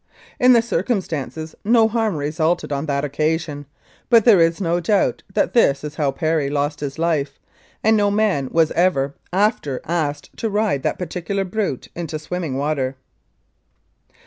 In the circumstances, no harm resulted on that occasion, but there is no doubt that that is how Perry lost his life, and no man was ever after asked to ride that particular brute into swimming water.